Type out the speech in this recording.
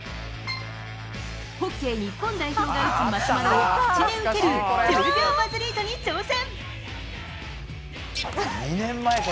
ホッケー日本代表が打つマシュマロを口で受ける１０秒バズリートに挑戦。